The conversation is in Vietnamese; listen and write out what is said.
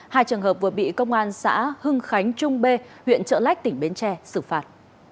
hai trường hợp vừa bị công an xã hưng khánh trung b huyện trợ lách tỉnh bến tre xử phạt